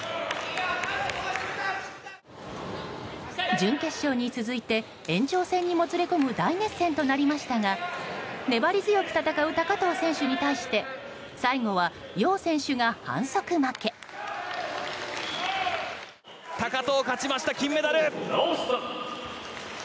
準決勝に続いて延長戦にもつれ込む大熱戦となりましたが粘り強く戦う高藤選手に対して最後はヨウ選手が高藤勝ちました金メダル。